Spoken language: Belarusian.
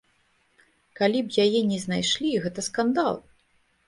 Калі б яе не знайшлі, гэта скандал!